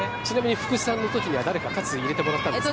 福士さんの時は誰かに入れてもらったんですか？